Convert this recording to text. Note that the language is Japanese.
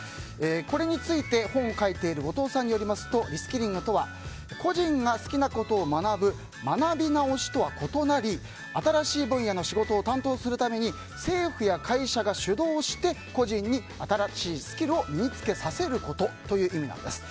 これについて、本を書いている後藤さんによりますとリスキリングとは個人が好きなことを学ぶ学び直しとは異なり新しい分野の仕事を担当するために政府や会社が主導して、個人に新しいスキルを身につけさせることという意味なんです。